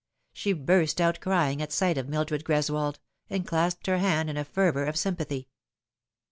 She burst out crying at sight of Mildred Greswold, and clasped her hand in a fervour of sympathy.